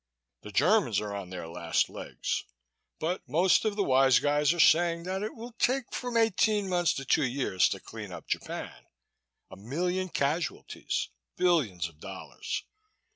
The Germans are on their last legs, but most of the wise guys are saying that it will take from eighteen months to two years to clean up Japan a million casualties, billions of dollars.